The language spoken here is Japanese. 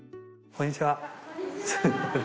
こんにちは。